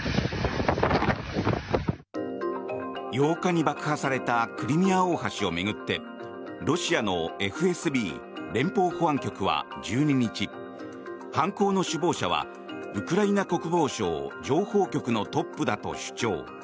８日に爆破されたクリミア大橋を巡ってロシアのＦＳＢ・連邦保安局は１２日犯行の首謀者はウクライナ国防省情報局のトップだと主張。